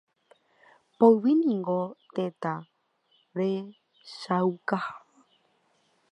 Poyvi niko tetã rechaukaha.